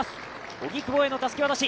荻久保へのたすき渡し。